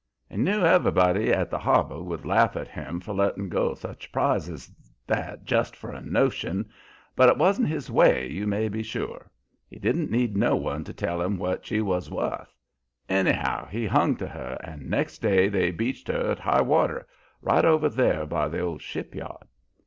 He knew everybody at the Harbor would laugh at him for lettin' go such a prize as that just for a notion, and it wan't his way, you may be sure; he didn't need no one to tell him what she was wuth. Anyhow he hung to her, and next day they beached her at high water, right over there by the old ship yard.